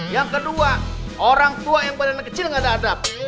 yang kedua orang tua yang pada anak kecil nggak ada adab